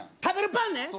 食べるパンね。